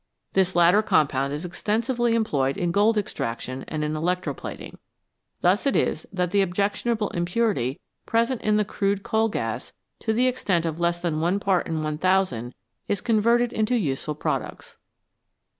This latter compound is extensively employed in gold extraction and in electro plating. Thus it is that the objectionable impurity present in the crude coal gas to the extent of less than 1 part in 1000 is converted into useful products.